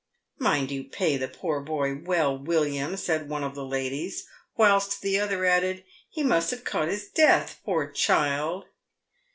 "Mind you pay the poor boy well, William," said one of the ladies, whilst the other added, " He must have caught his death, poor child."